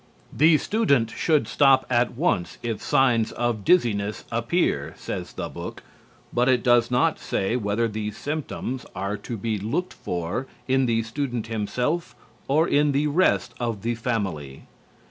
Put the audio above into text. "The student should stop at once if signs of dizziness appear," says the book, but it does not say whether the symptoms are to be looked for in the student himself or in the rest of the family.